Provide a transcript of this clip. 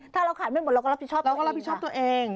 ถ้าเราขายไม่หมดเราก็รับผิดชอบตัวเอง